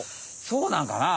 そうなんかな？